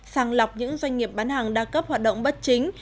sàng lọc những doanh nghiệp bán hàng đa cấp hoạt động bất chính